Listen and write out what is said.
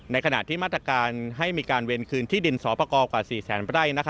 ในขณะที่มาตรการให้มีการเวียนคืนที่ดินสอประกอบกว่า๔แสนใบ้